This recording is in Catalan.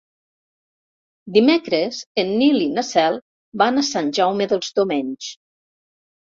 Dimecres en Nil i na Cel van a Sant Jaume dels Domenys.